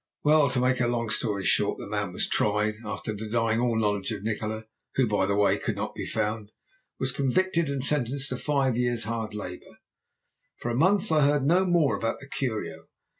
"Well, to make a long story short, the man was tried, and after denying all knowledge of Nikola who, by the way, could not be found was convicted, and sentenced to five years' hard labour. For a month I heard no more about the curio.